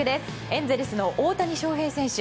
エンゼルスの大谷翔平選手。